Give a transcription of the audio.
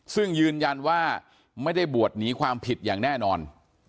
ซึ่งยืนยันว่าไม่ได้บวชหนีความผิดอย่างแน่นอน